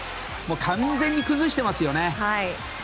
完全に崩してますよね。